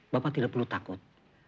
bapak tidak perlu takut